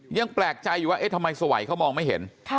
ยังแปลกใจอยู่ว่าเอ๊ะทำไมสวัยเขามองไม่เห็น